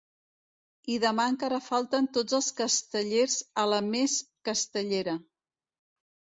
I demà encara falten tots els castellers a la més castellera.